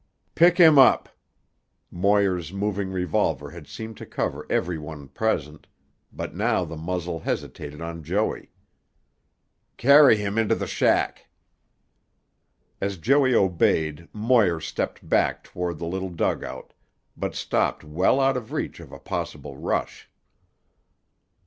"Pick him up." Moir's moving revolver had seemed to cover every one present, but now the muzzle hesitated on Joey. "Carry him into tuh shack." As Joey obeyed Moir stepped back toward the little dugout, but stopped well out of reach of a possible rush.